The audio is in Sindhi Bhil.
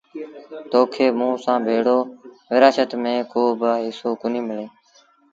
تو کي موٚنٚ سآݩٚ ڀيڙو ورآڇت ميݩ ڪو با هسو ڪونهيٚ ملي۔